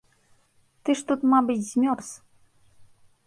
Ты ж тут, мабыць, змёрз.